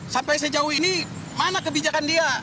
sampai sejauh ini mana kebijakan dia